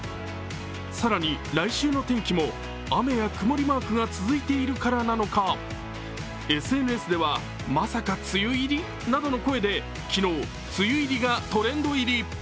更に、来週の天気も、雨や曇りマークが続いているからなのかＳＮＳでは、まさか梅雨入り？などの声で昨日、梅雨入りがトレンド入り。